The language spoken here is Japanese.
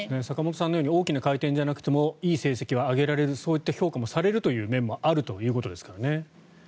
坂本さんのように大きな回転じゃなくてもいい成績を挙げられるそういった評価をされる面もあるということですからね。